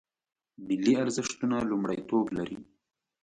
ملي ارزښتونه لومړیتوب لري